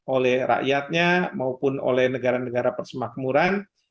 oleh rakyatnya maupun oleh negara negara persemakmuran